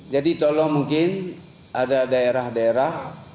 jadi tolong mungkin ada daerah daerah yang informasinya terlambat